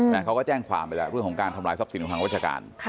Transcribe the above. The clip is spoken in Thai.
แต่เขาก็แจ้งความไปแล้วเรื่องของการทำลายทรัพย์สินของทางราชการ